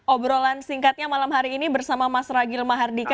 obrolan singkatnya malam hari ini bersama mas ragil mahardika